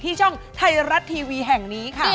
ช่องไทยรัฐทีวีแห่งนี้ค่ะ